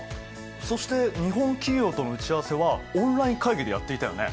そして日本企業との打ち合わせはオンライン会議でやっていたよね。